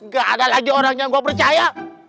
gak ada lagi orang yang gak percaya